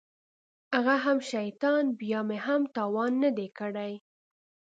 هغه هم شيطان بيا مې هم تاوان نه دى کړى.